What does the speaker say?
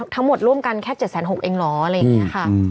ร่วมกันแค่๗๖๐๐เองเหรออะไรอย่างนี้ค่ะ